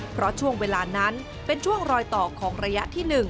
เพราะช่วงเวลานั้นเป็นช่วงรอยต่อของระยะที่๑